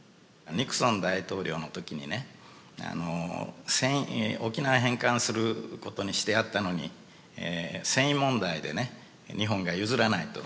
ニクソン大統領の時にね沖縄返還することにしてあったのに繊維問題でね日本が譲らないと。